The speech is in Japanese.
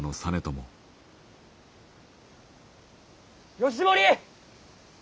義盛！